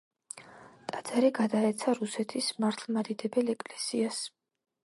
ტაძარი გადაეცა რუსეთის მართლმადიდებელ ეკლესიას.